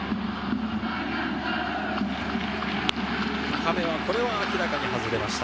高め、これは明らかに外れました。